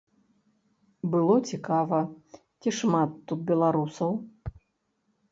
Было цікава, ці шмат тут беларусаў.